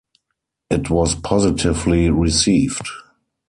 It was positively received.